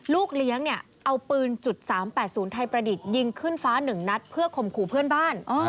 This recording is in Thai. ลูกเลี้ยงเนี่ยเอาปืน๓๘๐ไทยประดิษฐ์ยิงขึ้นฟ้า๑นัดเพื่อข่มขู่เพื่อนบ้าน